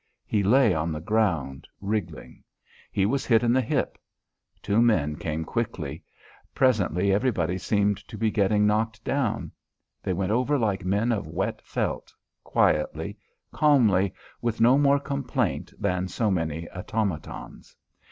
He lay on the ground, wriggling. He was hit in the hip. Two men came quickly. Presently everybody seemed to be getting knocked down. They went over like men of wet felt, quietly, calmly, with no more complaint than so many automatons.